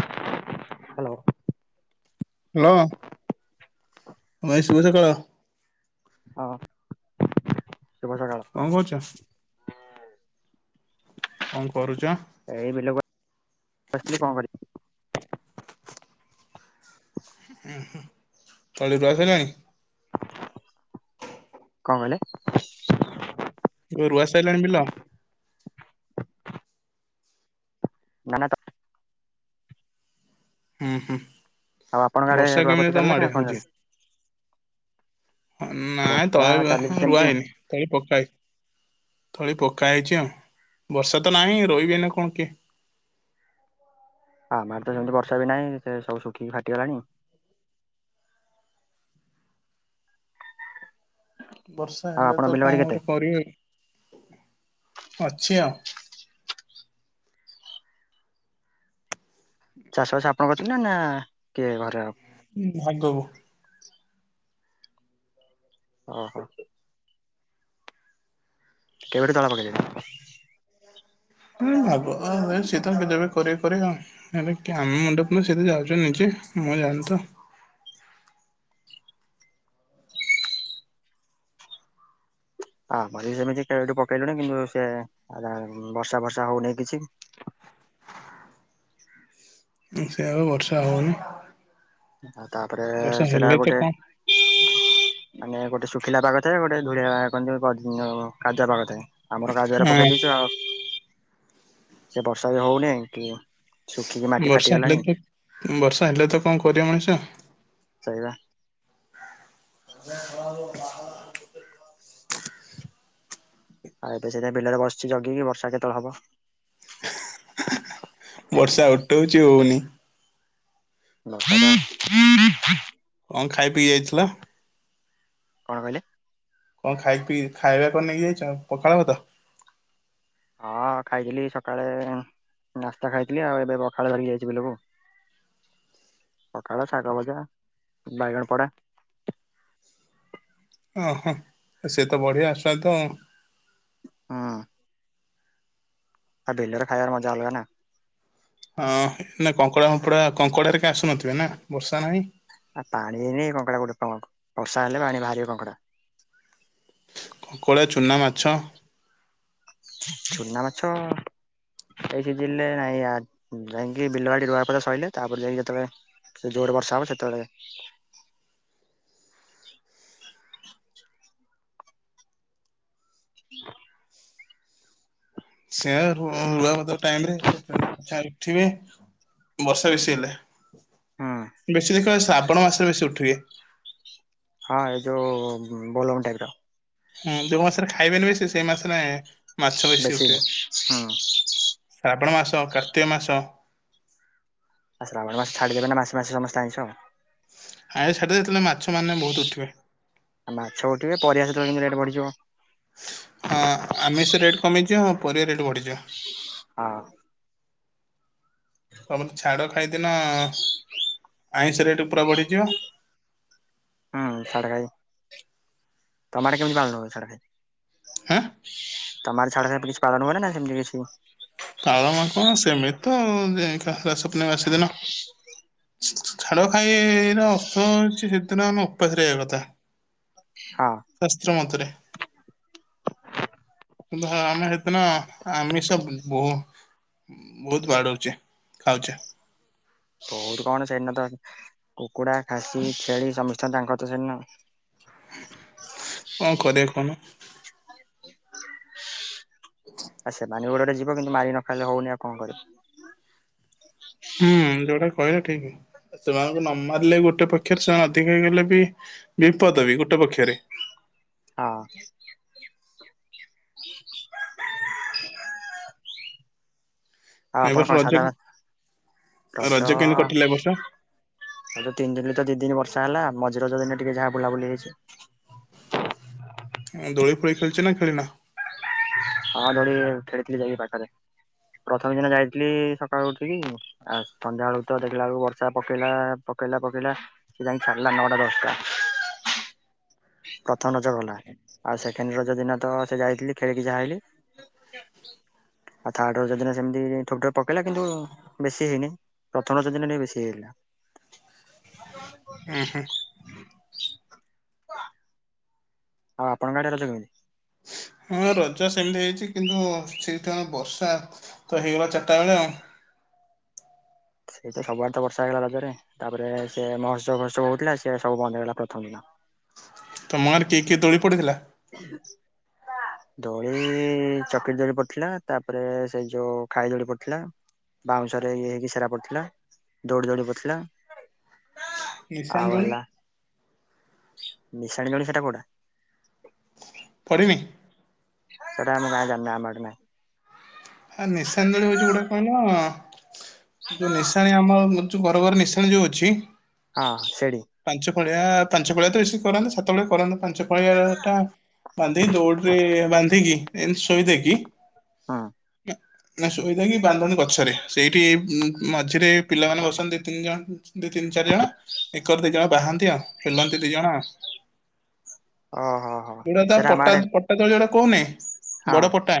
Hello? Hello? ମାଇ ଶୁଭ ସକାଳ। ହଁ ଶୁଭ ସକାଳ। କଣ କରଛ? କଣ କରୁଛ? ଏଇ ବିଲକୁ ଆସିଥିଲି କଣ କରି ଓହୋ ତଳି ରୁଆ ସହିଲାଣୀ? କଣ କହିଲେ? ରୁ ରୁଆ ସଇିଲାଣି ବିଲ? ନା ତ। ହୁଁ ହୁଁ, ଆଉ ଆପଣଙ୍କ ଆଡେ ବର୍ଷା କେମିତି ରୁଆପୋତା ତମ ଚାଲିଲା କି ଆଡେ ନା କଣ ହଉଛି? ଚାଲିଛି ନାଇଁ ବର୍ଷା ତଳେ ରୁଆ ଚାଲିଛି ରୁଆ ସେମିତି ହେଇନି। ତଳି ପକା ହେଇଛି ତଳି ପକା ହେଇଛି ଆଉ, ବର୍ଷା ତ ନାହିଁ ରହିବେ ନା କଣ କିଏ? ହଁ ଆମର ତ ସେମିତି ବର୍ଷା ବି ନାହିଁ ସେ ସବୁ ଶୁଖିକି ଫାଟିଗଲାଣି। ବର୍ଷା ଆଉ ହେଲେ ଆପଣଙ୍କ ତ ବିଲ ବାଡି କଣ କେତେ ଗୋଟେ କରିବେ ଅଛି ଆଉ। ଚାଷବାସ ଆପଣଙ୍କ କରଛନ୍ତି ନା ନା କିଏ ଘରେ ହୁଁ ଭଲଦବୁ। ଓ ହୋ। କେବେଠି ତଳ ପାକିଲ [unintelligible] ହୁଁ ଭାବ ସିଏ ତ କେତେବେଳେ କରିବେ କରିବ ଆଉ [inaudible] ହେ ଆମେ ମଣ୍ଡପ ସେତ ଯାଉଛୁ ନିଜେ ମୁଁ ଯାଉନି ତ [unintelligible] ଆମର ବି ସେମିତି କେବେଠୁ ପକେଇଲୁଣି କିନ୍ତୁ ସେ ବର୍ଷା ବର୍ଷା ହଉନେଇ କିଛି। ସେଇଆପା ବର୍ଷା ହଉନି। ତାପରେ ସେଟା ଗୋଟେ ହଁ। ମାନେ ଗୋଟେ ଶୁଖିଲା ପାଗ ଥାଏ ଗୋଟେ ଧୂଳିଆ କଣ ତ କାଦୁଆ ପାଗ ଥାଏ। ଆମର କାଦୁଅରେ ହଁ ପକେଇ ଦେଇଛୁ ଆଉ ସେ ବର୍ଷା ବି ହଉନି କି ଶୁଖିକି ମାଟି ବର୍ଷା ହେଲେ ଫାଟିଗଲାଣି ତ ବର୍ଷା ହେଲେ ତ କଣ କରିବା ମଣିଷ? ସେଇପା। [inaudible] ଆଉ ଏବେ ସେଥିପାଇଁ ବିଲରେ ବସିଛି ଜଗିକି ବର୍ଷା କେତବେଳେ ହବ। ବର୍ଷା ଉଟଉଛି ହଉନି। [inaudible] କଣ ଖାଇ ପିଇକି ଯାଇଥିଲା? କଣ କହିଲେ? କଣ ଖାଇି ପିଇ ଖାଇବା କଣ ନେଇକି ଯାଇଛ ପଖାଳ ଭାତ? ହଁ ଖାଇଥିଲି ସକାଳେ ନାସ୍ତା ଖାଇଥିଲି ଆଉ ଏବେ ପଖାଳ ଧରିକି ଯାଇଛି ବିଲକୁ। ପଖାଳ, ଶାଗ ଭଜା, ବାଇଗଣ ପୋଡ଼ା। ଓହୋ ସିଏତ ବଢ଼ିଆ ସ୍ୱାଦ। ହୁଁ। ଆଉ ବିଲରେ ଖାଇବାର ମଜା ଅଲଗା ନା। ହଁ ଏଇନା କଙ୍କଡ଼ା ଫଙ୍କଡା କଙ୍କଡ଼ାରେ କାଇଁ ଆସୁନଥିବେ ନା ବର୍ଷା ନାହିଁ? ଆ ପାଣି ହେଇନି କଙ୍କଡା କଉଠୁ ଦେବ ବର୍ଷା ହେଲେ ପାଣି ବାହାରିବ କଙ୍କଡା। କଙ୍କଡ଼ା, ଚୁନା ମାଛ। ଚୁନା ମାଛ ଏଇ ସିଜିନ୍ ନରେ ନାଇଁ ଯାଇକି ବିଲବାଡି ରୁଆ ପଦା ସଇଲେ ତାପରେ ଯାଇକି ଯେତେବେଳେ ସେ ଜୋରେ ବର୍ଷା ହବ ସେତବେଳେ [inaudible] ସେୟା ରୁ ରୁଆ ପୋତା ଟାଇମ୍ ରେ ସେ ଚୁନା ମାଛ ଆ [unintelligible] ଉଠିବେ ବର୍ଷା ବେଶି ହେଲେ। ହୁଁ ବେଶୀ ଦେଖିବ ଏଇ ଶ୍ରାବଣ ମାସରେ ବେଶୀ ଉଠିବେ ହଁ ଏଇ ଯୋଉ ବୋଲବମ୍ ଟାଇମ୍ ର। ହୁଁ ଯୋଉ ମାସରେ ଖାଇବେନି ବେଶୀ ସେଇ ମାସରେ ମାଛ ବେଶୀ ଉଠିବେ। ଶ୍ରାବଣ ମାସ, କାର୍ତ୍ତିକ ମାସ ଆ ଶ୍ରାବଣ ମାସ ଛଡ଼ିବେନା ମାସେ ମାସେ ସମସ୍ତେ ଆଇଁଷ ଆଇଁସ ଛାଡ଼ିବେ ଯେତେବେଳେ ମାଛ ମାନେ ବହୁତ ଉଠିବେ। ଆଉ ମାଛ ଉଠିବେ ପରିବା ସେତେବେଳେ କିନ୍ତୁ ରେଟ୍ ବଢିଯିବ। ହଁ ଆମିଷ ରେଟ୍ କମିଯିବ ହଁ ପରିବା ରେଟ୍ ବଢ଼ିଯିବ। ହଁ। ତମେ ତ ଝାଡ଼ ଖାଇଦିନ ଆଇଁଷ ରେଟ୍ ପୁରା ବଢ଼ିଯିବ। ହୁଁ ଛାଡଖାଇ ତମ ହାଡ଼େ କେମିତି ପାଳନ ହୁଏ ଛାଡ ହାଁ। ତମ ହଡ଼େ ଛାଡଖାଇ କିଛି ପାଳନ ହୁଏନା ସେମତି କିଛି? ପାଳନ କଣ ସେମିତି ତ ଆଉ ସ୍ୱପ୍ନ ମାସ ଦିନ। ଝାଡ ଖାଇର ଅର୍ଥ ହଉଛି ସେଦିନ ଆମେ ଓପାସ୍ ରହିବା କଥା। ହଁ। ଶାସ୍ତ୍ର ମତରେ। କିନ୍ତୁ ଆମେ ହେଦିନ ଆମିସ ବ ବହୁ ବହୁତ୍ ବାଡଉଛେ ଖାଉଛେ। ବହୁତ କଣ ସେଦିନ ତ କୁକୁଡା, ଖାସି, ଛେଳି ସମସ୍ତେ ତାଙ୍କର ତ ସେଦିନ କଣ କରିବା କହୁନ? ଆ ସେମାନେ ବି ଗୋଟେ ଗୋଟେ ଯିବ କିନ୍ତୁ ମାରିକି ନ ଖାଇଲେ ହଉନି ଆଉ କଣ କରିବ। ହୁଁ ଯୋଉଟା କହିଲ ଠିକ୍। ସେମାନଙ୍କୁ ନ ମାରିଲେ ବି ଗୋଟେ ପକ୍ଷରେ ସେମାନେ ଅଧିକା ହେଇଗଲେ ବି ବିପଦ ବି ଗୋଟେ ପକ୍ଷରେ। ହଁ। ଆଉ ଏ ଆପଣ ବର୍ଷ କଣ ରଜ ସାଧା ରଜ କେମିତି କଟିଲା ଏ ବର୍ଷ? ରଜ ତିନି ଦିନରେ ତ ଦି ଦିନି ବର୍ଷା ହେଲା ମଝି ରଜ ଦିନ ଟିକେ ଯାହା ବୁଲାବୁଲି ହେଇଛି। ଦୋଳି ଫୋଳି ଖେଳଛି ନା ଖେଳି ନ? ହଁ ଦୋଳି ଖେଳିଥିଲି ଯାଇକି ପାଖରେ, ପ୍ରଥମେ ଦିନ ଯାଇଥିଲି ସକାଳୁ ଉଠିକି। ଆଉ ସନ୍ଧ୍ୟାବେଳ ତ ଦେଖିଲା ବେଳକୁ ବର୍ଷା ପକେଇଲା ପକେଇଲା ପକେଇଲା। ଯାଇକୀ ଛାଡ଼ିଲା ନଅ ଟା ଦଶ ଟା ପ୍ରଥମ ରଜ ଗଲା ଆଉ ସେକେଣ୍ଡ ରଜ ଦିନ ତ ସେ ଯାଇଥିଲି ଖେଳିକି ଯାହା ହେ [inaudible] ଆଉ ଥାର୍ଡରଜ ଦିନ ସେମିତି ଠୋର ଠ ପକେଇଲା କିନ୍ତୁ ବେଶୀ ହେଇନି। ପ୍ରଥମ ରାଜ ଦିନ ଟିକେ ବେଶୀ ହେଇଗଲା। ହୁଁ ହୁଁ ଆଉ ଆପଣ ଗାଁରେ ରଜ କେମିତି? ହଁ ରଜ ସେମିତି ହେଇଛି, କିନ୍ତୁ ସେଇତ ବର୍ଷା ତ ହେଇଗଲା ଚାରିଟା ବେଳେ ଆଉ। ସେଇଟା ସବୁଆଡେ ତ ବର୍ଷା ହେଇଗଲା ରଜରେ ତାପରେ ସେ ମହୋତ୍ସବ ବହତ୍ସବ ହଉଥିଲା, ସେ ସବୁ ବନ୍ଦ ହେଇଗଲା ପ୍ରଥମ ଦିନ। ତମ ଗାଁ ରେ କିଏ କିଏ ଦୋଳି ପଡ଼ି [inaudible] [inaudible] ଦୋଳି ଚକିରି ଦୋଳି ପଡିଥିଲା ତାପରେ ସେ ଯୋଉ ଖାଇ ଦୋଳି ପଡିଥିଲା। ବାଉଁଶରେ ଇଏ ହେଇକି ସେଟା ପଡିଥିଲା, ଦଉରି ଦୌଡି ପଡିଥିଲା। ନିଶାଣି ଆଉ ଦୋଳି ହେଲା ମିଶାଣି ଦୋଳି ସେଟା କୋଉ ଫରିବି ସେଟା ଆମ ଗାଁ ଜାଣିନି ଆମ ଆଡେ ହ ନିଶାଣି ଦଳି ହଉଛି ଗୋଟେ କଣ, ଯୋଉ ନିଶାଣି ଆମର ହଁ ମୋର ଯୋଉ ଘର ଘର ନିଶାଣି ଯୋଉ ଅଛି। ହଁ ସେଠ ପାଞ୍ଚ ପାଳିଆ ପାଞ୍ଚ ପଳିଆ ତ ବେଶି କରନ୍ତୁ, ସାତବେଳେ କରନ୍ତୁ ପାଞ୍ଚ ପାଳିଆ ଟା ବାନ୍ଧି ଦୌଡରେ ବାନ୍ଧିକି ଏମତି ଶୋଇଦକି ହଁ ଇ ନସୁ କହିଲା କି ବାନ୍ଦଣୀ ଗଛରେ ସେଇଠି ମଝିରେ ପିଲାମାନେ ବସନ୍ତି ଦି ତିନି ଜଣ ଦି ତିନି ଚାରି ଜଣ ଏକର ଦି ଜଣ ବାହାନ୍ତି, ଆଉ ପେଲନ୍ତି ଦି ଜଣ। ଓହୋ ହୋ ଯୋଉଟା ତା ସେଟା ଆମ ଆଡେ ପଟାତ୍ ପଟା ତଳେ ଯୋଉଟା କହୁନେଇ ହଁ ବଡ ପଟା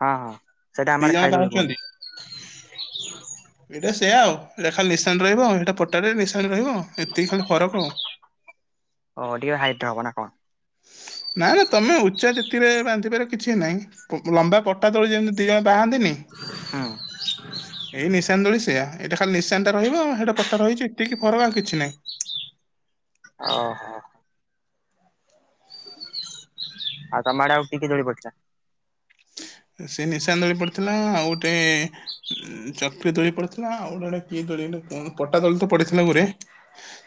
ହଁ ହଁ। ସେଇଟା ଆମ ଆଡେ ଖାଇ ଜଣ ଦୋଳି କୁହନ୍ତି ପାହୁଚନ୍ତି ଏଇଟା ସେୟା ଆଉ ଲେଖା ନିଶାଣ ରହିବ ସେଇଟା ପଟାରେ ନିଶାଣ ରହିବ। ଏତିକି ଖାଲି ଫରକ ଆଉ ଓ ଟିକେ ହାଇଟ୍ ହବ ନା କଣ? ନା ନା ତମେ ଉଚ୍ଚା ତିତିରେ ବାନ୍ଧିବାରେ କିଛି ନାହିଁ ବ ଲମ୍ବା ପଟା ତଳେ ଯେମିତି ଦିଅଁ ବାହାନ୍ତିନି ହଁ। ଏଇ ନିଶାନ୍ ଦୋଳି ସେୟା ଏଇଟା ଖାଲି ନିଶାନ୍ ଟା ରହିବ ସେଟା ପଟା ରହିଛି ଏତିକି ଫରକ୍ ଆଉ କିଛି ନାହିଁ। ଓହୋ। ଆଉ ତମ ଆଡେ କି କି ଦୋଳି ପଡ଼ିଥିଲା? ସେ ନିଶାନ୍ ଦୋଳି ପଡିଥିଲା ଆଉ ଗୋଟେ ଉ ଚକ୍ରି ଦୋଳି ପଡିଥିଲା ଆଉ ଗୋଟେ ଗୋଟେ କିଏ ଦୋଳି କଣ ପଟା ଦୋଳି ତ ପଡିଥିଲା ଗୋରେ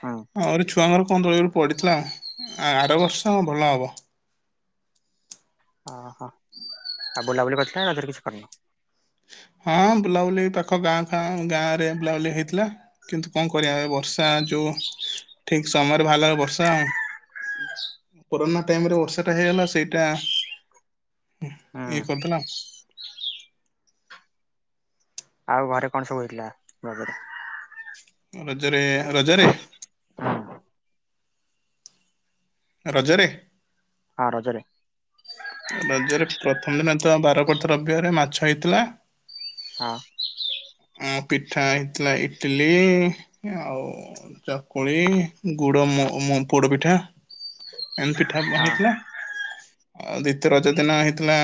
ହୁଁ ଆଉରି ଛୁଆଙ୍କର କଣ ଦୋଳି ପଡିଥିଲା ଆ ଆର ବର୍ଷ ଭଲ ହବ। ଅ ହ। ଆଉ ବୁଲାବୁଲି କରିଥିଲ ନା [inaudible] ରେ କିଛି କରିନ। ହଁ ବୁଲାବୁଲି ଏଇ ପାଖ ଗାଁ ଫାଁ ଗାଁ ରେ ବୁଲାବୁଲି ହେଇଥିଲା। କିନ୍ତୁ କଣ କରିବା ଏ ବର୍ଷା ଯୋଉ ଠିକ୍ ସମୟରେ ବାହାରିଲା ବେଳକୁ ବର୍ଷା କୋରୋନା ଟାଇମ୍ ରେ ବର୍ଷା ଟା ହେଇଗଲା ସେଇଟା ହୁଁ। ଇଏ କରିଦେଲା। ଆଉ ଘରେ କଣ ସବୁ ହେଇଥିଲା ରଜରେ? ରଜରେ ହ ରଜରେ ରଜରେ। ହଁ ରଜରେ। ରଜରେ ପ୍ରଥମ ଦିନ ତ ବାର ପଡିଥି ରବିବାରେ ମାଛ ହେଇଥିଲା ହଁ। ହୁଁ ପିଠା ହେଇଥିଲା ଇଟିଲି ଆଉ ଚକୁଳି ଗୁଡ ମ ମ ପୋଡ ପିଠା ଏମିତି ପିଠା ହଁ ହେଇଥିଲା ଆଉ ଦ୍ୱିତୀୟ ରଜ ଦିନ ହେଇଥିଲା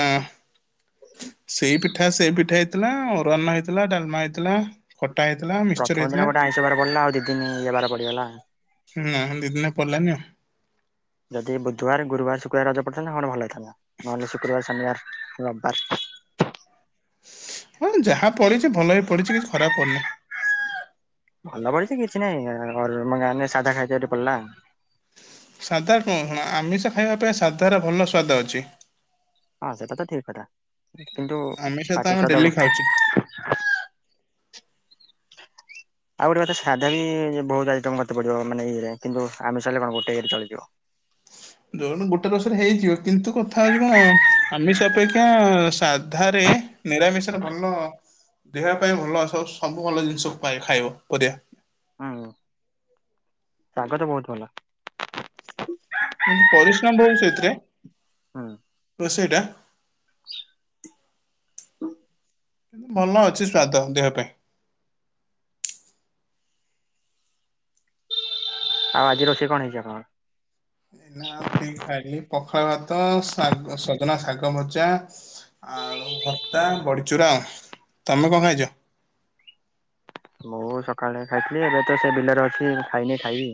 ସେଇ ପିଠା ସେଇ ପିଠା ହେଇଥିଲା ଅରୁଆନ୍ ହେଇଥିଲା ଡାଲ୍ମା ହେଇଥିଲା ଖଟା ହେଇଥିଲା। ମିକ୍ସଚର ପ୍ରଥମ ଦିନ ହେଇଥିଲା। ଗୋଟେ ଆଇଁଷ ବାର ପଡ଼ିଲା ଆଉ ଦି ଦିନ ଇଏବାର ପଡିଗଲା। ହୁଁ [inaudible] ଦି ଦିନ ପଡିଲାନି ଆଉ। ଯଦି ବୁଧବାର ଗୁରୁବାର ଶୁକ୍ରବାର ରଜ ପଡ଼ିଥାନ୍ତ କଣ ଭଲ ହେଇଥାନ୍ତା ନହେଲେ ଶୁକ୍ରବାର ଶନିବାର ରବିବାର। ହଁ ଯାହା ପଡ଼ିଚି ଭଲ ରେ ପଡ଼ିଚି କିଛି ଖରାପ ପଡିନି। ଭଲ ପଡିଛି କିଛି ନାଇଁ [inaudible] ସାଧା ଖାଇତେ ଗୋଟେ ପଡିଲା। ସାଧା କଣ ଆମିଷ ଖାଇବା ଅପେକ୍ଷା ସାଧାର ଭଲ ସ୍ୱାଦ ଅଛି। ହଁ ସେଟା ତ ଠିକ୍ କଥା କିନ୍ତୁ ଆମିଷ ତ ପାଟି ଆମେ ସ୍ଵାଦ ଡେଲି ଖାଉଛେ [unintelligible] ଆଉ ଗୋଟେ କଥା ସାଧା ବି ବହୁତ ଆଇଟମ୍ କରତେ ପଡିବ ମାନେ କିନ୍ତୁ ଆମିଷ ହେଲେ କଣ ଗୋଟେ ଇଏରେ ଚଳିଯିବ। ଯୋଉନ ଗୋଟେ ରସରେ ହେଇଯିବ କିନ୍ତୁ କଥା ହଉଛି କଣ ଆମିଷ ଅପେକ୍ଷା ସାଧାରେ ନିରାମିଷ ରେ ଭଲ ଦେହ ପାଇଁ ଭଲ ଆସ ସବୁ ଭଲ ଜିନିଷକୁ ପାଇ ଖାଇବ ପରିଆ ହଁ ପାଗ ତ ବହୁତ ଭଲ। କିନ୍ତୁ ପରିଶ୍ରମ ବହୁତ ସେଇଥିରେ। ହଁ। ର [inaudible] ସେଇଟା [unintelligible] ଭଲ ଅଛି ସ୍ଵାଦ ଦେହ ପାଇଁ। ଆଉ ଆଜି ରୋଷେଇ କଣ ହେଇଛି ଆପଣଙ୍କ? ନାଉ ଠିକ ଖାଇଲି ପଖାଳ ଭାତ ଶାଗ ସଜନା ଶାଗ ଭଜା ଆଉ ଭର୍ତ୍ତା ବଡିଚୁରା ଆଉ ତମେ କଣ ଖାଇଛ? ମୁଁ ସକାଳେ ଖାଇଥିଲି ଏବେ ତ ସେ ବିଲରେ ଅଛି ଖାଇନି ଖାଇବି।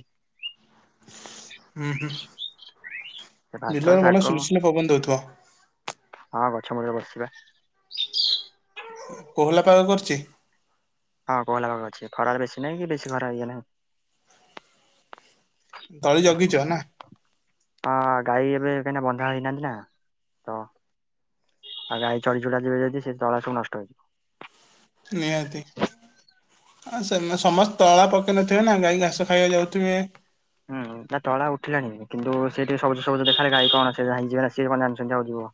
ହୁଁ ହୁଁ ସେ ଭାତ ବିଲରେ ଶାଗ ଭଲ ସୁଲଶୁଲିଆ ପବନ ଦଉଥିବ। ହଁ ଗଛ ମୂଳରେ ବସିବେ। କୋହଲା ପାଗ କରିଛି। ହଁ କହିଲଲା ପାଖ ଅଛି ଖରାାରେ ବେଶୀ ନାହିଁ କି ବେଶୀ ଖରା ଇଏ ନାହିଁ ତଳି ଜଗିଛ ନା। ହଁ ଗାଈ ଏବେ କାହିଁକିନା ବନ୍ଧା ହେଇନାହାନ୍ତି ନା ତ ଆଉ ଗାଈ ଚଢି ଚଡା ଯିବ ଯଦି ସେ ତଳା ସବୁ ନଷ୍ଟ ହେଇଯିବ। ନିହାତି ହଁ ସେ ସମସ୍ତେ ତଳା ପକେଇ ନଥିବେ ନା ଗାଈ ଘାସ ଖାଇବାକୁ ଯାଉଥିବେ। ହୁଁ ତା ତଳା ଉଠିଲାଣି କିନ୍ତୁ ସେ ଟିକେ ସବୁଜ ସବୁ ଦେଖାେ ଗାଈ କଣ ସେ ଯାଇଇଯିବ ନା ସେଏ କଣ ଜ ହଉଯିବ।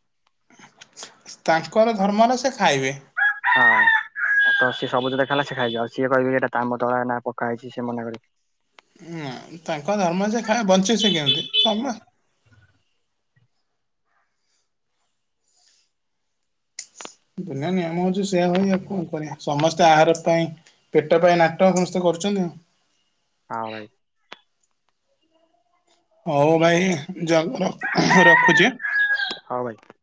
ତାଙ୍କର ଧର୍ମ ହେଲା ସେ ଖାଇବେ। ହଁ ତ ସିଏ ସବୁ ଜୋତେ ଖେଲା ସେ ଖାଇଛିିବ ଆଉ ସିଏ କହିବେ ଏଟା ତାମ୍ାମ ତଳା ନା ପକା ହେଇଛିିଏ ମନେ କରିବ। ହୁଁ ତାଙ୍କ ଧର୍ମ ଯେ ଖା ବଞ୍ଚିଛି କିନ୍ତୁ ସବ ଦୁନ ନି ଆମ ହଉଛି ସେୟା ହ ଆଉ କଣ କରିବା ସମସ୍ତେ ଆହାର ପାଇଁ ପେଟ ପାଇଁ ନାଟକ ସମସ୍ତେ କରୁଛନ୍ତି। ହଁ ଭାଇ ହଉ ଭାଇ ରଖୁଛି। ହଁ ଭାଇ।